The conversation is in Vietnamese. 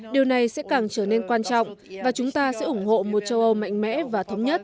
điều này sẽ càng trở nên quan trọng và chúng ta sẽ ủng hộ một châu âu mạnh mẽ và thống nhất